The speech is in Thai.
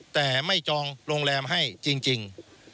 แต่ไม่จองโรงแรมให้จริง